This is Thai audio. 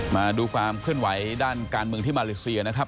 มาดูความเคลื่อนไหวด้านการเมืองที่มาเลเซียนะครับ